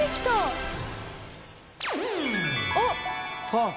あっ！